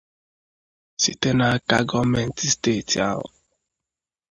site n'aka gọọmenti steeti ahụ